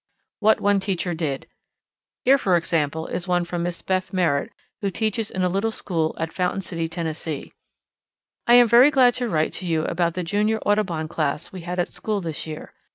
What One Teacher Did. Here, for example, is one from Miss Beth Merritt, who teaches in a little school at Fountain City, Tennessee: "I am very glad to write to you about the Junior Audubon Class we had at school this year.